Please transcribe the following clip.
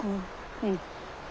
うん。